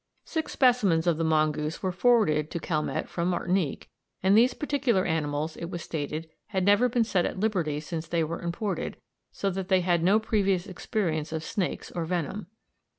Six specimens of the mongoose were forwarded to Calmette from Martinique, and these particular animals, it was stated, had never been set at liberty since they were imported, so that they had had no previous experience of snakes or venom.